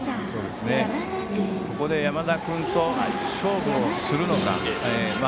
ここで山田君と勝負するのか。